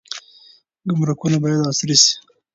ګمرکونه باید عصري شي.